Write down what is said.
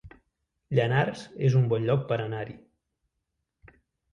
Llanars es un bon lloc per anar-hi